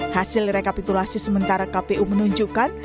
hasil rekapitulasi sementara kpu menunjukkan